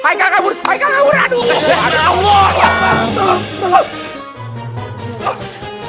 aikal kabur aikal kabur aduh